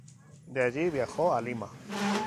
De allí viajo a Lima.